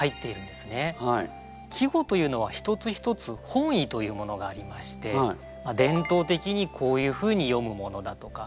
季語というのは一つ一つ本意というものがありまして伝統的にこういうふうに詠むものだとか。